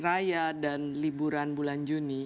raya dan liburan bulan juni